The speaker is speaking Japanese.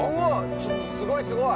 ちょっとすごい、すごい。